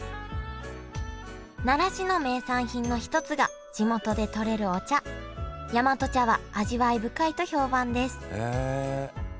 奈良市の名産品の一つが地元でとれるお茶大和茶は味わい深いと評判です。